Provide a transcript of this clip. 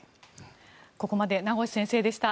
ここまで名越先生でした。